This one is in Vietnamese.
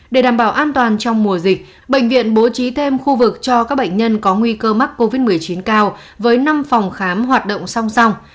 để đảm bảo an toàn trong mùa dịch bệnh viện bố trí thêm khu vực cho các bệnh nhân có nguy cơ mắc covid một mươi chín cao với năm phòng khám hoạt động song song